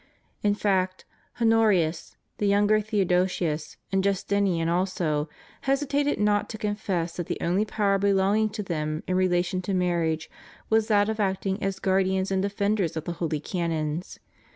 In fact, Honorius, the younger Theodosius, and Justinian also, hesitated not to confess that the only power belonging to them in relation to marriage was that of acting as guard ians and defenders of the Holy Canons.